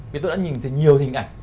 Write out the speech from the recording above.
vì tôi đã nhìn thấy nhiều hình ảnh